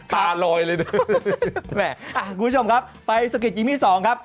ตาลอยเลยคุณผู้ชมครับไปสกิตอีทมี๒ครับ